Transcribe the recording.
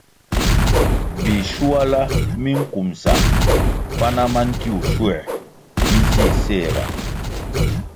Bischuala minkumsa pana ma ntiwuh schuer bi zih séhga.